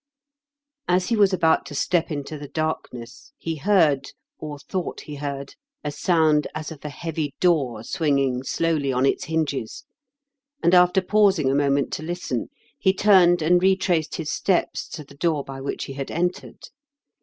As he was about to step into the darkness he heard, or thought he heard, a sound as of a heavy door swinging slowly on its hinges ; and, after pausing a moment to listen, he turned and retraced his steps to the door by which he had entered.